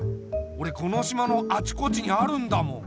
おれこの島のあちこちにあるんだもん。